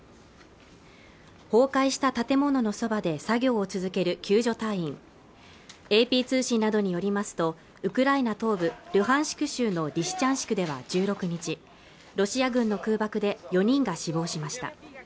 崩壊した建物のそばで作業を続ける救助隊員ＡＰ通信などによりますとウクライナ東部ルハンシク州のリシチャンシクでは１６日ロシア軍の空爆で４人が死亡しました